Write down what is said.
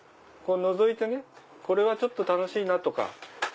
のぞいてこれは楽しいなとか。